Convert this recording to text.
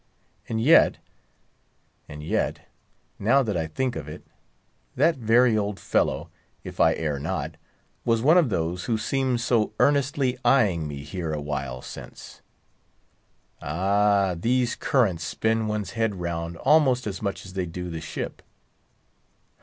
And yet—and yet, now that I think of it, that very old fellow, if I err not, was one of those who seemed so earnestly eying me here awhile since. Ah, these currents spin one's head round almost as much as they do the ship.